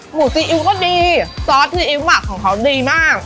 ซีอิ๊วก็ดีซอสซีอิ๊วหมักของเขาดีมาก